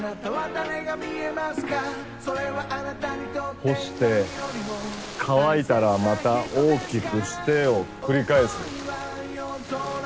干して乾いたらまた大きくしてを繰り返す。